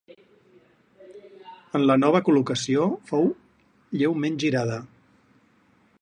En la nova col·locació fou lleument girada.